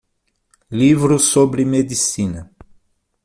Livros sobre medicina.